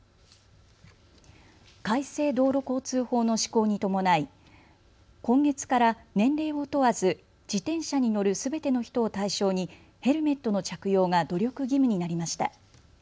改正道路交通法の施行に伴い今月から年齢を問わず自転車に乗るすべての人を対象にヘルメットの着用が努力義務になりました。